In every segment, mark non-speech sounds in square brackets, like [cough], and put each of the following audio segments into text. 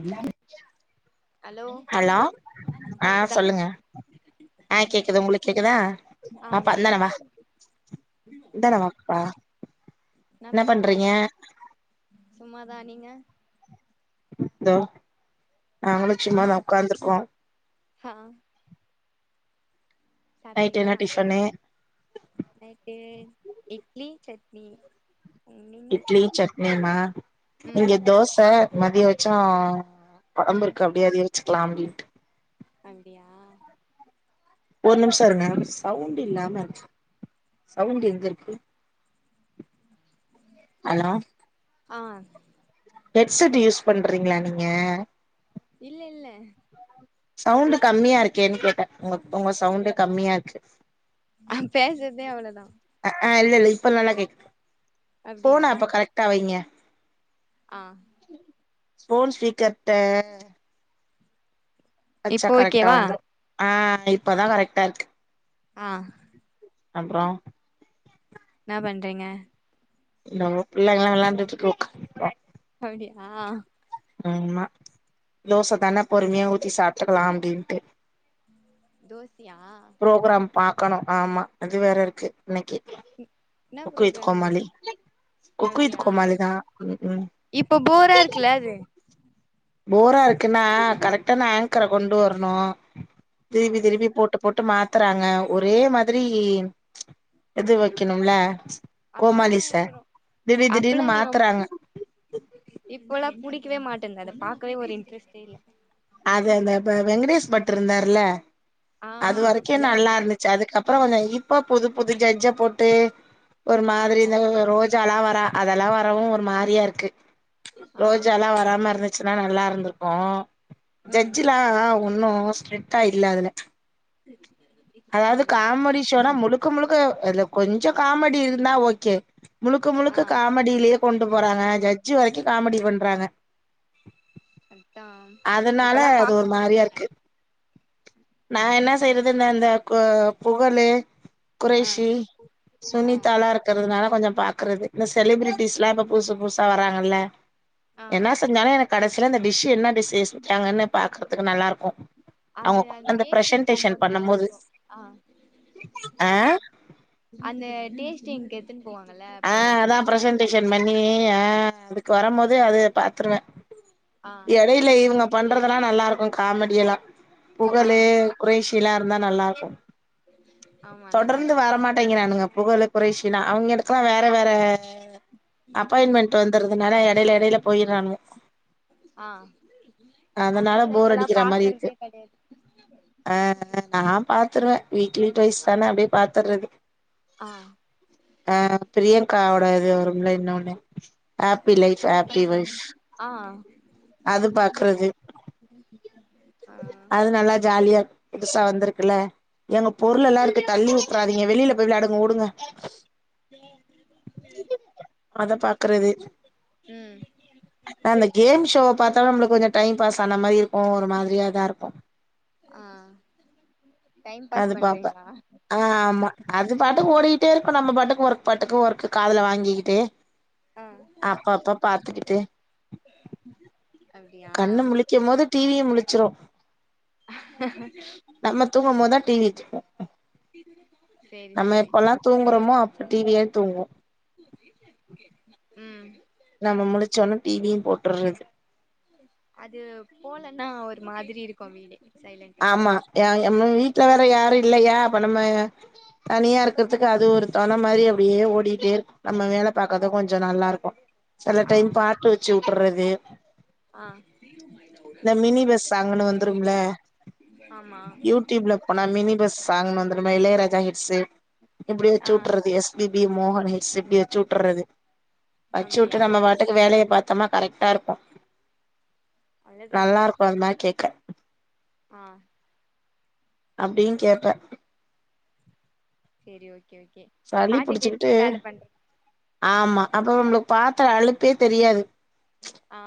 இல்லாங்க [inaudible] hello ஆ கேக்குதா சொல்லுங்க ஆ கேக்குது உங்களுக்கு கேக்குதா ஆ பாப்பா இந்தான கேக்குது ஆ இன்ன பண்றீங்க சும்மாதா நீங்க தோ நாங்களு சும்மா தா உக்காந்துருக்கோ ஹா நைட்டு சாப்ட்டீங்களா என்ன டிஃபனு நைட்டு இட்லி சட்னி நீங்க இட்லி சட்னியுமா ம் இங்க தோச மதிய வெச்சோ ம் கொழம்பிருக்கு அப்டியே அதையே வெச்சுக்குலா அப்டின்ட்டு அப்டியா ஒரு நிமிஷோ இருங்க சவுண்ட் இல்லாம சவுண்ட் எங்க இருக்கு ஹலோ ஆ ஹெட்செட் யூஸ் பண்றீங்களா நீங்க இல்ல இல்ல சவுண்டு் கம்மியா இருக்கேன்னு கேட்டே உங்க உங்க சவுண்டு கம்மியா இருக்கு பேசற்தே அவ்ளோதா அ ஆ இல்ல இல்ல இப்ப நல்லா கேக்கு ஃபோன அப்டியா அப்ப கரெக்ட்டா வைங்க ஆ ஃபோன் ஸ்பீக்கர்ட்ட வெச்சா இப்போ கரெக்டா ஓகேவா வந்துரு ஆ இப்பதா கரெக்டா இருக்கு ஆ அப்புறோ என்னா பண்றீங்க இதோ பிள்ளைங்கல்லா வெளாண்டுட்டு இருக்கு அப்டியா ஆமா தோச தானே பொறுமையா ஊத்தி சாப்ட்டுக்கலா அப்டின்ட்டு தோசயா ப்ரோகிராம் பாக்கணு ஆமா அது வேற இருக்கு இன்னைக்கு என்ன cook with programme Comali cook with அப்டியா கோமாளி தா ம் ம் இப்போ போரா இருக்குல அது போரா இருக்குன்னா கரெக்ட்டான ஆங்கர கொண்டு வரணு ஆ திருப்பி திருப்பி போட்டு போட்டு மாத்துறாங்க ஒரே மாதிரி இது வைக்கணுல அப்பல்லா கோமாளிஸ எனக்கு ரொ திடீர் திடீர்னு அப்பல்லா எனக்கு ரொம்ப மாத்துறாங்க இப்போல்லா புடிக்கவே மாட்டேந்து அத பாக்கவே ஒரு இன்ட்ரெஸ்ட்டே இல்ல அது அந்த ப வெங்கடேஷ் பட் இருந்தாருல ஆ அது வரைக்கு அப்பல்லா நல்லா ஜாலி இருந்துச்சு அதுக்கப்புறோ கொஞ்சோ இப்ப புது புது ஜட்ஜப் போட்டு ஒரு ஆ மாதிரி தா நல்லதேதா ரோ ஜாலா வரா அதெல்லா வரவு ஒரு மாரியா இருக்கு ஆ ரோஜால்லா வராமா இருந்து ச்சனா நல்லா இருந்துருக்கூ ம் ஜட்ஜ்லா ஒன்னு ஸ்ரிக்ட்டா இல்ல அதுல [inaudible] அதாவது ஆமா காமெடி ஷோனா முழுக்க முழுக்க அதுல கொஞ்சோ காமெடி இருந்தா ஓகே முழுக்க ஆ முழுக்க காமெடியிலயே கொண்டு போறாங்க ஜட்ஜு வரைக்கு காமெடி பண்றாங்க அட்டா அதனால இப்பல்லா அது ஒரு பாக்க புடிக்க மாரியா இருக்கு மாட்டுது நா என்னா செய்றது இந்த அந்த கோ புகழு ஆ குரேஷு ஆ சுனிதாலா இருக் இருக்கிறதுனால கொஞ்சம் பாக்குறது இந்த செலிபிரிட்டிஸ் ல்லா இப்ப புதுசு புதுசா வராங்கல்ல ஆ என்னா செஞ்சாலு எனக் கடைசியில அந்த டிஷ் என்ன டிஷ் செய்ய சொன்னாங்கன்னு பாக்கறதுக்கு நல்லா இருக்கு அது அவங்க அது அந்த டேஸ்டிங் ப்ரஷன்டேஷன் போம்போது நல்லா பண்ணும்போது இருக்கு ஆ ஆ அந்த டேஸ்ட் இங்கிட்டு எத்துன் போவாங்கல்ல அப்போ வந்து பிஸ் பாத்தே நீயா அதுக்கு வரும் போது அத பாத்துருவ ஆ எடைல இவுங்க பண்றதுல்லா நல்லாருக்கு காமெடியெலா ஆ புகழ்ழு குரேஷில்லா இருந்தா நல்லாருக்கு ஆமா நல்லா தொடர்ந்து இருக்கோ நாங்க வரமாட்டேங்கிறானுங்க புகழு குரேஷிலா அவுங்கெளுக்கலா வேற வேற அப்பாயின்மெண்ட் ட்டு வந்துறதுனால எடல எடல போய்றானுக ஆ அதனால அதனாலதா போர் இப்பல்லா அடிக்கிற மாரி இருக்கு பாக்கறதே கெடையாது ஆ நா பாத்துருவே வீக்லி ட்வைஸ் தானே அப்டியே பாத்தறது ஆ ஆ பிரியங்கா ஓட இது வரும்ல இன்னோனு happy life happy super wife singer ஆ அது பாக்குறது ஆ அது நல்லா ஜாலியா புதுசா வந்திருக்குல்ல எங்க பொருளல்லா இருக்கு தள்ளி உட்றாதீங்க வெளில போய் விளாடுங்க ஓடுங்க [inaudible] அத பாக்றது ம் அந்த கேம் ஷோவ பாத்தாலு நம்ளுக் கொஞ்சோ டைம் பாஸ் ஆன மாரி இருக்கு ஒரு மாதிரியாதா இருக்கு ஆ டைம் பாஸ் அது பாப்பே பண்றீங்ளா ஆ ஆமா அது பாட்டுக்கு ஓடிக்கிட்டே இருக்கு நம்ம பாட்டுக்கு ஒர்க் பாட்டுக்கு ஒர்க் காதுல வாங்கிக்கிட்டே ஆ அப்ப அப்ப பாத்துக்கிட்டு [unintelligible] கண்ணு முழிக்கும் போது டிவியு முழிச்சுரு நம்ம தூங்கு போதா டி வி தூங்கு சேரி நம்ம சேரி எப்போல்லா தூங்குறோமோ அப்ப டி வியே தூங்கு ம் நம்ம முளிச்சோன டிவியு போட்டுறது அது போலன்னா ஒரு மாதிரி இருக்கும் வீடே சைலன்ட் ஆமா எம்ம வீட்ல வேற யாரு இல்லயா அப்ப நம்ம தனியா இருக்றதுக்கு அது ஒரு தொண மாரி அப்டியே ஓடிட்டேருக்கு நம்ம வேல பாக்கத கொஞ்சோ நல்லாருக்கு சில ஆ டைம் பாட்டு வச்சு வுட்டுறது ஆ இந்த மினி பஸ் சாங்குனு வந்துரும்ல ஆம்மா யூடியூப்ல போனா மினி பஸ் சாங்னு வந்துருமா இளையராஜா ஹிட்ஸு இப்டி வெச்சு ஆ வுட்டுறது எஸ் பி பி மோகன் ஹிட்ஸு இப்டி வச்சுட்றது அப்டியா வச்சுட்டு நம்ம வாட்டுக்கு வேலய பா த்தமா கரெக்டாருக்கு அவ்ளோதா நல்லாருக்கு அது மாரி கே ஆ அப்டின் கேப்பே செரி ஓகே ஓகே சளி பாட்டு கேட்னே புடிச்சுக்கிட்டு வேல பண்ற ஆமா அப்ப நம்ளுக்கு பாத்த அழுப்பே தெரியாது ஆ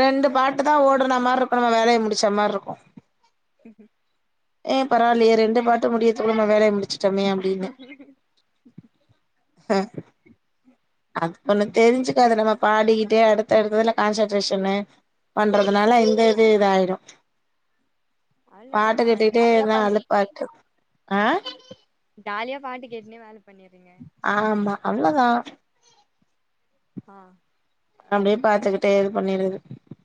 ரெண்டு பாட்டு தா ஓடுன மார்ருக்கு நம்ம வேலய முடிச்ச மார்ருக்கு ம் ம் ஏ பரவால்லயே ரெண்டு பாட்டு முடியதுக்குள்ள நம்ம வேலய முடிச்சுட்டோமே அப்டினு ஹ அப்ப ஒண்ணு தெரிஞ்சுக்காது நம்ம பாடிக்கிட்டே அடுத்த அடுத்ததுல கான்சன்ட்ரேஷன்னு ஆ பண்றதுனால இந்தது இதாயிரு அவ்ளோதா பாட்டு ஜாலியா கேட்டுட்டேதா பண்றீங்க அழுப்பா ஆ ஜாலியா பாட்டு கேட்னே வேல பண்ணிறீங்க ஆமா அவ்ளதா ஆ அப்டியே பாத்துக்கிட்டே இது பண்ணிறது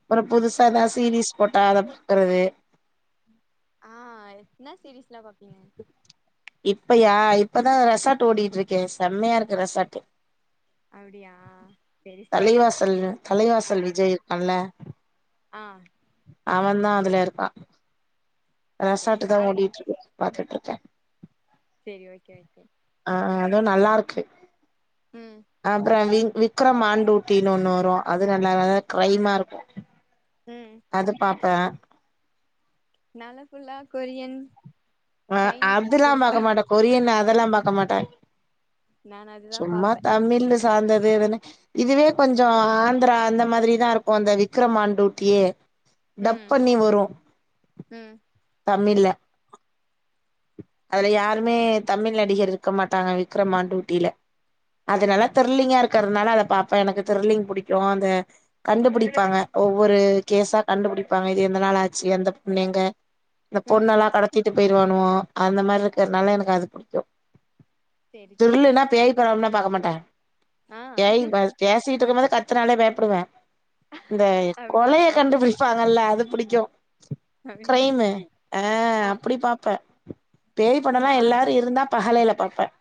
அப்றோ புதுசா ம் எதாவ்துசீரிஸ் போட்டா அத பாக்குறது ஆ என்னா சீரிஸ்லா பாப்பிங்க இப்பையா இப்பதா ரெசாட் ஓடிட்ருக்கே செம்மயாருக்கு ரெசார்ட்டு அப்டியா செரி செரி தள்ளு தலைவாசல் விஜய் இருக்கான்ல்ல ஆ அவே தா அதுலருக்கா அ செரி ரெசாட்டு தா பாருங்க ஓடிட்ருக்கு பாத்துட்ருக்கே செரி ஓகே ஓகே ஆ அது நல்லாருக்கு ம் அப்றோ வி விக்ரம் ஆன் டூட்டினு ஒண்ணு வரு அது நல்லா நல்ல க்ரைமாருக்கு ம் அது பாப்பே நா லா ஃபுல்லா கொரியன் ஆ சைனீஸ் வெப் அதுல்லா சீரிஸ் பாக்க தா மாட்டே கொரியன் அதெல்லா பாக்க மாட்டே நான் அதுதா சும்மா பாப்பே தமிழ்ல சாந்தது எதனே இதுவே கொஞ்சோ ஆந்திரா அந்த மாதிரிதாருக்கு அந்த விக்ரம் ஆன் டூட்டியே டப் ம் பண்ணி வரு ம் தமிழ்ல அதுல யாருமே தமிழ் நடிகர் இருக்க மாட்டாங்க விக்ரம் ஆன் டூட்டில அதுனால திர்லிங்கா இருக்கற்னால அத பாப்பே எனக்கு திர்லிங் புடிக்கு அந்த கண்டுபுடிப்பாங்க ஒவ்வொரு கேஸா கண்டுபுடிப்பாங்க இது எதனால ஆச்சு அந்த பொண்ணு எங்க இந்த ம் பொண்ணலா கடத்திட்டு போய்ருவானுவோ அந்த மார்ருக்கனால எனக்கு அது புடிக்கு செரி செரி த்ரில்லுனா பேய் படமுமே பாக்க மாட்டே ஆ பேய் பேசிட்ருக்கும்போதே கத்துனாலே பயப்புடுவே இந்த அப்டியா கொலய ஆ கண்டுபிடி ப்பாங்கல்ல அது புடிக்கு அவ்யா கிரைமு ஆ அப்டி பார்ப்பேன் பேய் படம் நான் எல்லாரரும் இருந்தால் பகலையில பார்ப்பேன்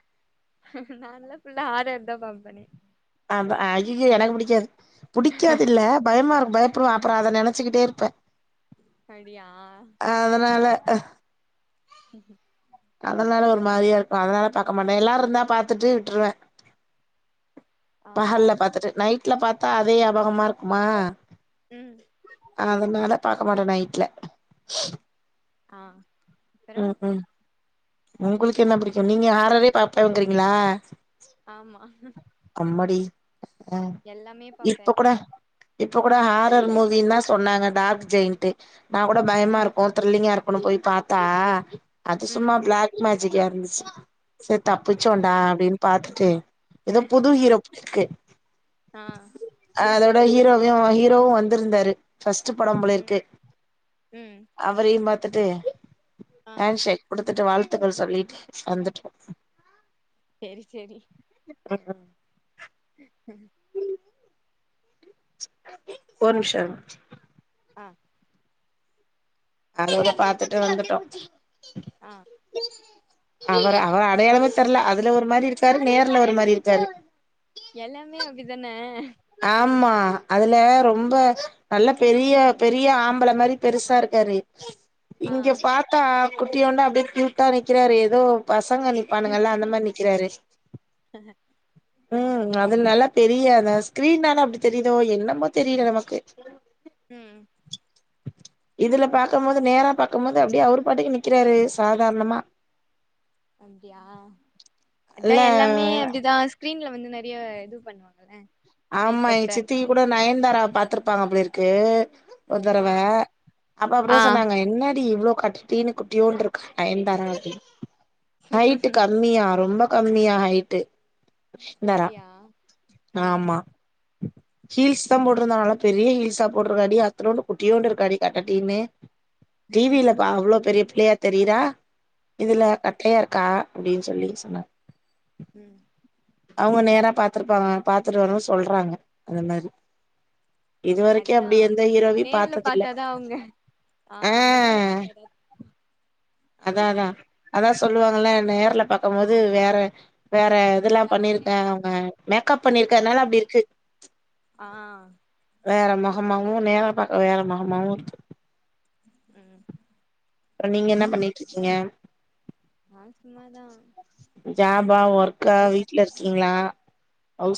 நான்ல்லாம் ஃபுல்லா ஹாரர் தான் பார்ப்பனே அ ஐய்யய்ய எனக்கு பிடிக்காது புடிக்காது இல்ல பயமா இருக்கு பயப்படுவே அப்றோ அத நினச்சிக்கிட்டே இருப்பே அடியா அதனால ஹ ம் அதனால ஒரு மாரியா இருக்கு அதனால பாக்க மாட்ட எல்லாரு இருந்தா பாத்துட்டு விட்ருவ ஆ பகல்ல பாத்துட்டு நைட்ல பாத்தா அதே யாபகமா இருக்குமா ம் அதனால மேல பாக்க மாட்ட நைட்ல ஆ அப்பறோ ம் ம் உங்களுக்கு என்ன பிடிக்கும் நீங்க ஆட்றத பாப்பேங்கறீங்களா ஆமா அம்மாடி ஆ எல்லாமே பாப்பே இப்ப கூட இப்ப கூட ஹாரர் மூவின்னு தான் சொன்னாங்க. டார்க் ஜெயின்ட்டு நா கூட பயமா ம் இருக்கும் த்ரிலிங்கா இருக்கும்னு போய் பாத்தா அது ம் சும்மா பிளாக் மேஜிக்கா இருந்துச்சு சேரி அப்டியா தப்பிச்சோண்டா அப்டின்னு பாத்துட்டு ஏதோ புது ஹீரோ போலருக்கு ஆ அதோட ஹீரோவும் ஹீரோவும் வந்திருந்தாரு ஃபஸ்ட் படம் ம் போலிருக்கு ம் அவரையும் பாத்துட்டு ஆ ஹேண்ட்ஷேக் குடுத்துட்டு வாழ்த்துக்கள் சொல்லிட்டு வந்துட்டோம் சேரி சேரி உஹும் ம் ஒரு நிமிஷம் இருங்க ஆ கடவுல பாத்துட்டு வந்துட்டோம் ஆ அவர் அவர் அடையாளமே தெர்ல அதுல ஒரு மாரி இருக்காரு நேர்ல ஒரு மாரி இருக்காரு எல்லாமே அப்டிதான ஆமா அதுல ரொம்ப நல்லா பெரிய பெரிய ஆம்பள மாரி பெருசா இருக்காரு ஆ இங்க பாத்தா குட்டியோண்டா அப்டியே க்யூட்டா நிக்குறாரு ஏதோ பசங்க நி நிப்பானுங்கல்ல அந்த மாரி நிக்குறாரு ம் அது நல்லா பெரிய அத ஸ்கிரீன்னான அப்டி தெரியுதோ என்னமோ தெரில நமக்கு ம் இதுல பாக்கும் போது நேரா பாக்கும்போது அப்டியே அவர் பாட்டுக்கு நிக்குறாரு சாதாரணமா அப்டியா இல்ல அதான் எல்லாமே அப்டிதாஸ் ஸ்கிரீன்ல வந்து நறைய இது பண்ணுவாங்கள ஆமா எங்க சித்தி கூட நயன்தாரா பாத்துருப்பாங்க போலிருக்கு ஒரு ஆ தடவ அப்ப ஆ அப்டிதான் சொன்னாங்க என்னாடி இவ்ளோ கட் திடீர்னு குட்டியோன்டு இருக்கு நயன்தாரா அப்டின்னு ஹைட்டு கம்மியா ரொம்ப கம்மியா ஆயிட்டு நயன்தாரா அப்டியா ஆ ஆமா ஹீல்ஸ் தான போட்டிருந்தாங்க பெரிய ஹீல்ஸா போட்டிருக்காடி அத்தனோன்டு குட்டியோண்டு இருக்காடி கட்டடினு டிவில பா அவ்ளோ பெரிய பிள்ளையா தெரியுறா ஆ இதுல க கையா இருக்கா அப்படின் சொல்லி சொன்னாங்க ம் அவுங்க நேரா பாத்துருப்பாங்க பாத்துட்டு வந்து சொல்றாங்க அந்த மாரி இது வரைக்கு அதுதா அப்படி எந்த ஹீரோவயு நேர்ல பாத்ததில்ல பாத்தாதா அவுங்க ஆ நேர்ல பாத்ததா அதா அதா அதா சொல்லுவாங்கள நேர்ல பாக்கம்போது வேற வேற துல்லாம் வேற மாரி பண்ணிருக்கே இருக்காங்க அவங்க மேக்கப் ஆ பண்ணிருக்கனால அப்டி இருக்கு ஆ வேற முகமாவு நேரா பாக்க வேற முகமாவு இருக்கு ம் புறம் நீங்க என்ன பண்ணிட்டுருக்கீங்க ஆ சும்மாதா ஜாபா ஒர்க்கா வீட்ல இருக்கீங்களா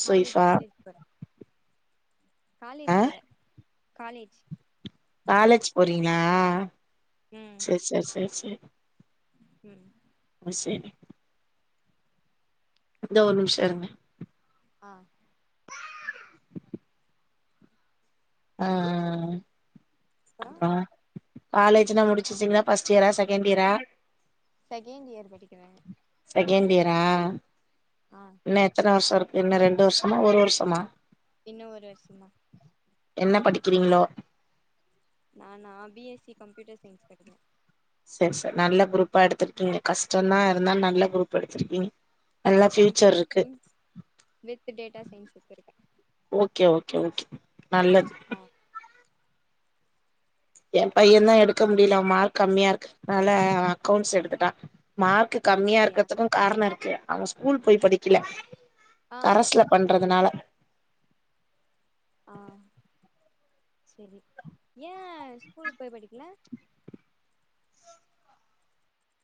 காலேஜ் காலேஜ் போறே காலேஜ் ஆ போறே காலேஜ் காலேஜ் போறீங்களா ம் சரி சரி சரி சரி ம் வயசு என்ன இந்தோ ஒரு நிமிஷ இருங்க ஆ ஆ அப்றோ ஆ ஆ காலேஜ்னா முடிச்சிருச்சீங்கள ஃபஸ்ட் இயரா செகண்ட் இயரா செகண்ட் இயர் படிக்குறாங் செகண்ட் இயரா ஆ இன்ன எத்தனை வருஷ இருக்கு இன்ன ரெண்டு வருஷமா ஒரு வருஷமா இன்னு ஒரு வருஷந்தா என்ன படிக்கிறீங்களோ நானா பிஎஸ்சி கம்ப்யூட்டர் சயின்ஸ் படிக்றே சரி சா நல்ல குரூப்பா எடுத்திருக்கீங்க கஷ்டந்தா இருந்தா நல்ல குரூப் எடுத்திருக்கீங்க நல்லா ஃபியூச்சர் கம்ப்யூட்டர் இருக்கு சயின்ஸ் வித் டேட்டா சயின்ஸ் எத்துருக்கே ஓகே ஓகே ஓகே நல்லது ஆ என் பையந்தா எடுக்க முடியல மார்க் கம்மியா இருக்குதனால அக்கௌண்ட்ஸ் எடுத்துட்டா மார்க்கு கம்மியா அப்டியா இருக்கிறதுக்கு காரண இருக்கு அவன் ஸ்கூல் போய் படிக்கல ஆ கரஸ்ல பண்றதுனால ஆ சேரி ஏன் ஸ்கூலுக்கு போய் படிக்கல